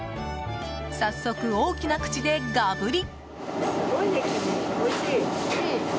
早速、大きな口でがぶり！